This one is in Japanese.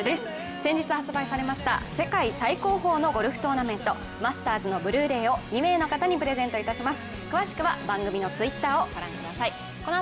先日発売されました、世界最高峰のゴルフトーナメントマスターズのブルーレイを２名の方にプレゼントいたします。